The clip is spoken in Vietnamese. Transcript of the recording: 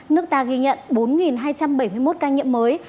nước ta ghi nhận bốn hai trăm bảy mươi một ca nhiễm mới